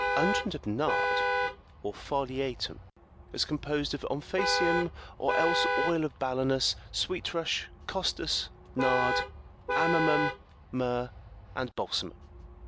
Unguent of nard,66 or foliatum, is composed of omphacium or else oil of balanus, sweet rush, costus,67 nard, amomum,68 myrrh, and balsamum.